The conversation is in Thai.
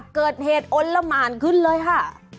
เกิดเหตุอ้นละหมานขึ้นเลยค่ะ